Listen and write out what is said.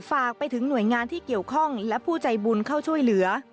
ฝากไปถึงหน่วยงานที่เกี่ยวข้องและผู้ใจบุญเข้าช่วยเหลือ